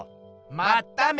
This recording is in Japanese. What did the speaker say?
まっため。